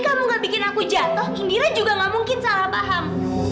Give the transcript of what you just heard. kalau tadi kamu gak bikin aku jatoh indira juga gak mungkin salah paham